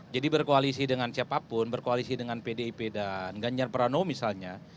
jadi berkoalisi dengan siapapun berkoalisi dengan pdip dan ganjar pranowo misalnya